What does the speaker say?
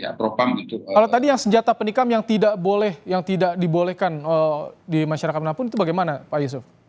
kalau tadi yang senjata penikam yang tidak boleh yang tidak dibolehkan di masyarakat mana pun itu bagaimana pak yusuf